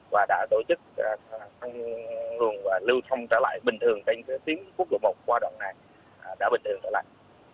và đã tổ chức phân luồng và lưu thông trở lại bình thường trên cái tiếng quốc lục một qua đoạn này đã bình thường trở lại